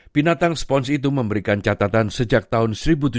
binatang spons itu memberikan catatan sejak tahun seribu tujuh ratus